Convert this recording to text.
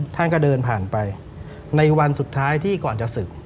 ท่านก็เดินผ่านไปในวันสุดท้ายที่ก่อนจะศึก